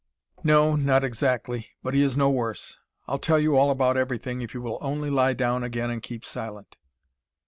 "N no, not exactly but he is no worse. I'll tell you all about everything if you will only lie down again and keep silent."